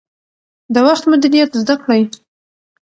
د وخت مدیریت زده کړئ.